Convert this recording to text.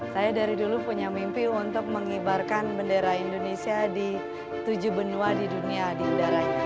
saya dari dulu punya mimpi untuk mengibarkan bendera indonesia di tujuh benua di dunia di udaranya